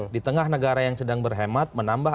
di tengah negara yang sedang berhemat menambah